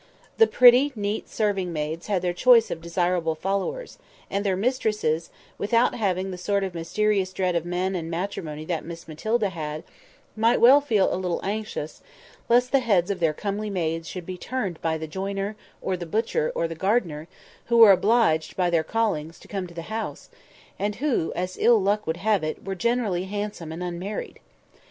The pretty neat servant maids had their choice of desirable "followers"; and their mistresses, without having the sort of mysterious dread of men and matrimony that Miss Matilda had, might well feel a little anxious lest the heads of their comely maids should be turned by the joiner, or the butcher, or the gardener, who were obliged, by their callings, to come to the house, and who, as ill luck would have it, were generally handsome and unmarried.